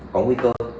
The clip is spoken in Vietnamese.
có nguy cơ